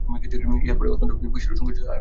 ইহার পরে অত্যন্ত বেসুরা সংগীতচর্চাও আর চলে না।